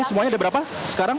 semuanya ada berapa sekarang